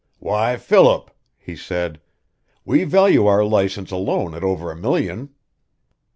'Why, Philip,' he said, 'we value our license alone at over a million!'